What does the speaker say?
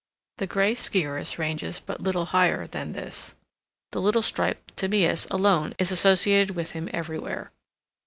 The gray sciurus ranges but little higher than this. The little striped tamias alone is associated with him everywhere.